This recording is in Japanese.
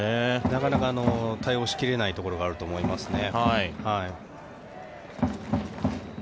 なかなか対応しきれないところがあると思いますね。